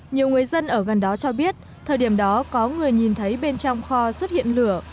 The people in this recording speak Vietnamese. nhiều người dân ở gần đó cho biết thời điểm đó có người nhìn thấy bên trong kho xuất hiện lửa